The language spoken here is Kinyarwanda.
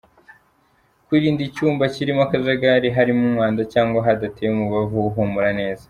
Kwirinda icyumba kirimo akajagari, harimo umwanda cyangwa hadateye umubavu uhumura neza.